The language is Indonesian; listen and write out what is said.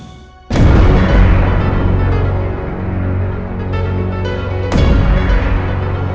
sebagai anak siluman